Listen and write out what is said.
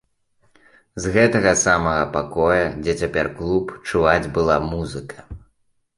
З гэтага самага пакоя, дзе цяпер клуб, чуваць была музыка.